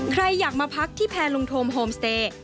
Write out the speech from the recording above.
ใครอยากมาพักที่แพรลุงโทมโฮมสเตย์